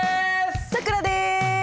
さくらです！